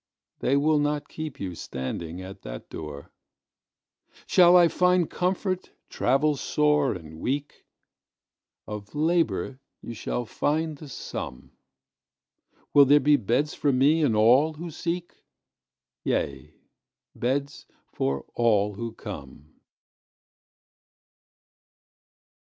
They will not keep you standing at that door. Shall I find comfort, travel sore and weak? Of labour you shall find the sum. Will there be beds for me and all who seek? Yea, beds for all who come.